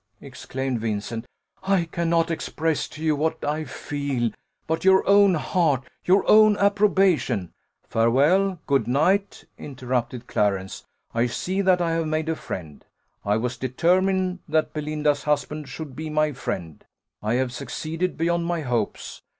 exclaimed Vincent; "I cannot express to you what I feel; but your own heart, your own approbation " "Farewell, good night," interrupted Clarence; "I see that I have made a friend I was determined that Belinda's husband should be my friend I have succeeded beyond my hopes.